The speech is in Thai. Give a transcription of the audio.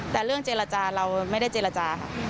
แต่เรื่องเจรจาเราไม่ได้เจรจาค่ะ